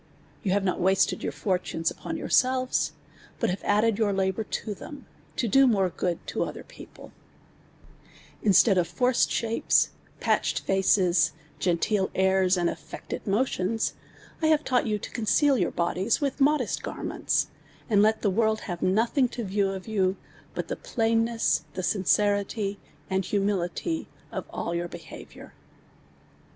\ On have not wasted \(h\\' lortinu's upon yourselves, but. have .idded ytuir labour to tlnin, todo luoi'e i^ood to other pi'ople Instead of forced shapes, piitched faces, ^t nteel nirs, and alVected motions, I have taught you to con ceal your bixlies with nnxlest •garments, and let tlu» world have nothing to view of you, but the plainness and sincerity, and humility of all your behavi(uir.